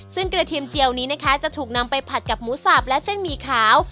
ซึ่งกระเทียมเจียวนี้นะคะจะถูกนำไปผัดกับหมูสับและเส้นหมี่ขาว